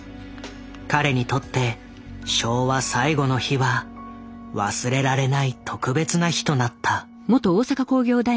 彼にとって昭和最後の日は忘れられない特別な日となった。